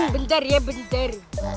bentar ya bentar